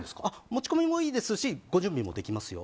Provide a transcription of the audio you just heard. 持ち込みもいいですしご準備もできますよ。